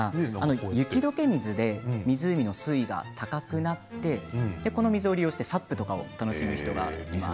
雪どけ水で湖の水位が高くなってこの水を利用してＳＵＰを楽しむ人がいます。